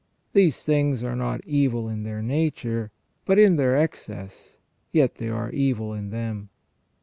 These things are not evil in their nature, but in their excess, yet they are evil in them.